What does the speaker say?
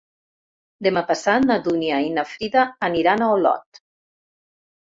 Demà passat na Dúnia i na Frida aniran a Olot.